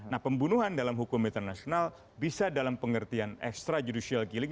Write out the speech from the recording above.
nah pembunuhan dalam hukum internasional bisa dalam pengertian ekstra judisial giling